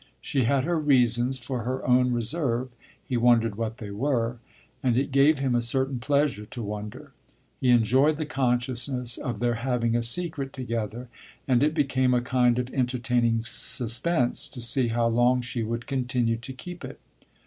She had her reasons for her own reserve; he wondered what they were, and it gave him a certain pleasure to wonder. He enjoyed the consciousness of their having a secret together, and it became a kind of entertaining suspense to see how long she would continue to keep it.